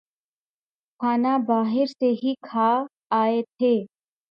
کھانا باہر سے ہی کھا آئے تھے